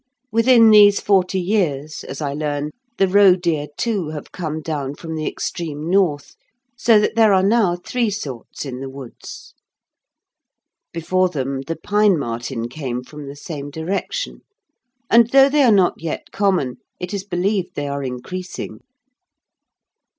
Within these forty years, as I learn, the roe deer, too, have come down from the extreme north, so that there are now three sorts in the woods. Before them the pine marten came from the same direction, and, though they are not yet common, it is believed they are increasing.